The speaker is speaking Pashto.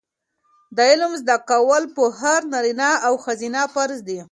د علم زده کول په هر نارینه او ښځینه فرض دي.